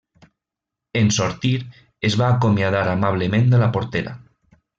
En sortir, es va acomiadar amablement de la portera.